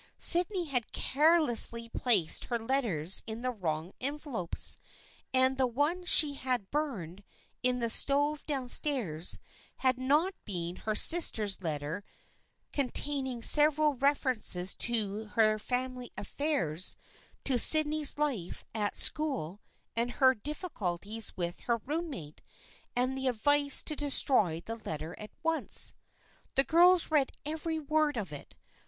Sydney had care lessly placed her letters in the wrong envelopes, and the one she had burned in the stove down stairs had not been her sister's letter containing several references to their family affairs, to Sydney's life at school and her difficulties with her roommate, and the advice to destroy the letter at once. The girls read every word of it.